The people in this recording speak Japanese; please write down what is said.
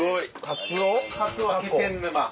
カツオは気仙沼。